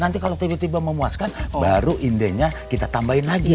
nanti kalau tiba tiba memuaskan baru inde nya kita tambahin lagi